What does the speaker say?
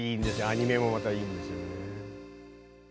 アニメもまたいいんですよ。